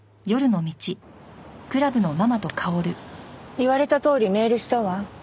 言われたとおりメールしたわ。